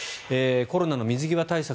コロナの水際対策